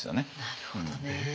なるほどね。